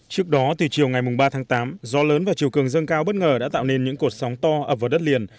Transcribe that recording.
trước đó từ chiều ngày ba tháng tám gió lớn và chiều cường dâng cao bất ngờ đã tạo nên những cột sóng to ập vào đất liền